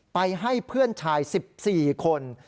ไปให้เพื่อนชาย๑๔คน